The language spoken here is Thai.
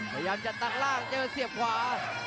พยายามจะตัดล่างเจอเสียบขวา